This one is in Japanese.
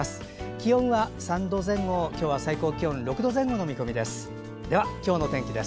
気温は３度前後今日は最高気温６度前後の見込みです。